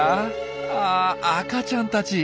あ赤ちゃんたち！